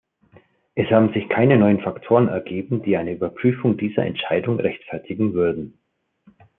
Es haben sich keine neuen Faktoren ergeben, die eine Überprüfung dieser Entscheidung rechtfertigen würden.